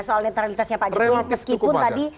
soal netralitasnya pak jokowi meskipun tadi